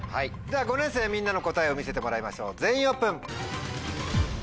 では５年生みんなの答えを見せてもらいましょう全員オープン。